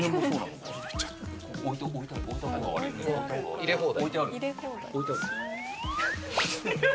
入れ放題。